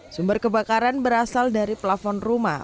sumber kebakaran berasal dari plafon rumah